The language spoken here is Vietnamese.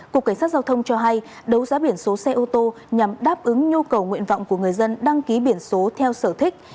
cục cảnh sát giao thông cho hay đấu giá biển số xe ô tô nhằm đáp ứng nhu cầu nguyện vọng của người dân đăng ký biển số theo sở thích